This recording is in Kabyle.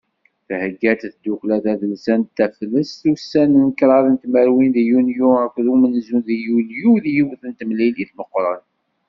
Thegga-d tddukkla tadelsant «Taflest», ussan n kraḍ tmerwin deg yunyu akked umenzu deg yulyu, yiwet n temlilit meqqren.